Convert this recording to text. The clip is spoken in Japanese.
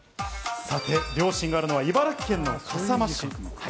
量深があるのは茨城県の笠間市。